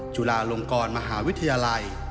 จุฬาลงกรมหาวิทยาลัย